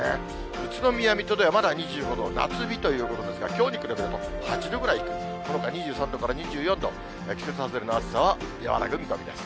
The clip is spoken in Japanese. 宇都宮、水戸ではまだ２５度、夏日ということですが、きょうに比べると、８度ぐらい、そのほか、２３度から２４度、季節外れの暑さは和らぐ見込みです。